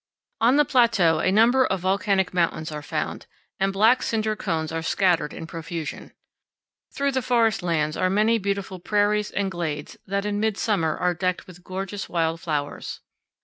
On the plateau a number of volcanic mountains are found, and black cinder cones are scattered in profusion. Through the forest lands are many beautiful prairies and glades that in midsummer are decked with gorgeous wild flowers.